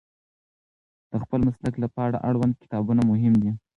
د خپل مسلک لپاره اړوند کتابونه مهم دي.